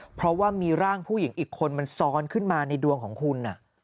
เพราะว่ามีร่างผู้หญิงอีกคนมันซ้อนขึ้นมาในดวงของคุณ